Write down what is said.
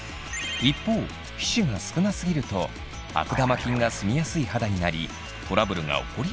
一方皮脂が少なすぎると悪玉菌が住みやすい肌になりトラブルが起こりやすくなります。